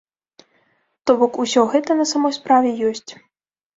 То бок усё гэта, на самой справе, ёсць.